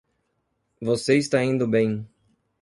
Você está indo bem